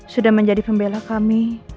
sudah menjadi pembela kami